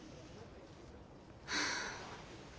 はあ。